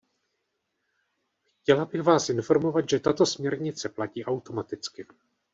Chtěla bych vás informovat, že tato směrnice platí automaticky.